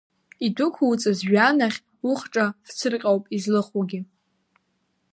Идәықәуҵаз жәҩанахь ухҿа фцырҟьоуп излыхугьы.